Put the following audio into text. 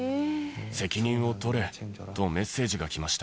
責任を取れとメッセージが来まし